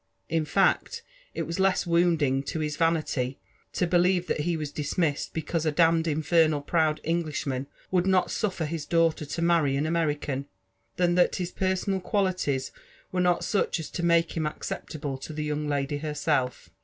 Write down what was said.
In fact, it was less \vounding to his vanity to beliete that he was dismissed t)ecause a d— *4 infernal proud Englishman would not suffer his daughter to marry an American, than that his personal qualities were not such as to malLe him acceptable to the young lady herself.